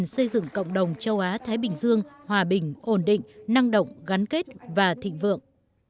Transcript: xưởng cộng đồng châu á thái bình dương hòa bình ổn định năng động gắn kết và thịnh vượng